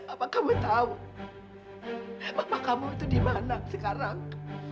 apa kamu tahu mama kamu tuh di mana sekarang